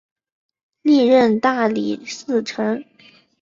历任大理寺丞。